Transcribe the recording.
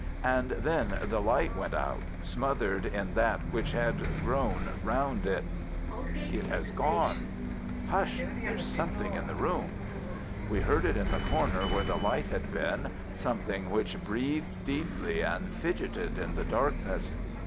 And then the light went out, smothered in that which had grown round it. "It has gone." "Hush—there's something in the room." We heard it in the corner where the light had been, something which breathed deeply and fidgeted in the darkness.